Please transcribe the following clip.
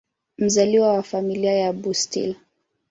Mzaliwa wa Familia ya Bustill.